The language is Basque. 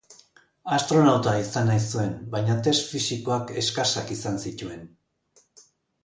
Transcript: Astronauta izan nahi zuen, baina test fisikoak eskasak izan zituen.